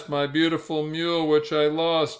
My beautiful mule which I lost !